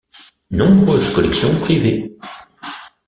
Nombreuses collections privées.